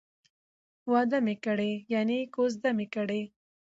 واده می کړی ،یعنی کوزده می کړې